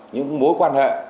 những mối quan hệ